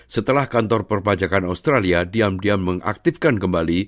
setelah kantor perpajakan australia diam diam mengaktifkan kembali